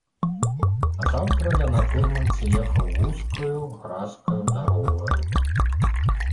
Назаўтра я на фурманцы ехаў вузкаю, гразкаю дарогаю.